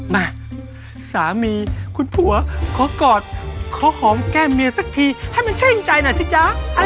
มาสามีคุณผัวขอกอดขอหอมแก้มเมียสักทีให้มันช่างใจหน่อยสิจ๊ะ